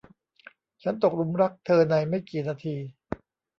ฉันตกหลุมรักเธอในไม่กี่นาที